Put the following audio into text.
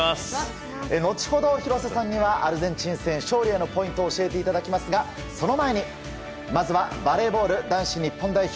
後ほど廣瀬さんにはアルゼンチン戦勝利へのポイントを教えていただきますがその前に、まずはバレーボール男子日本代表。